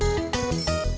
ya ada tiga orang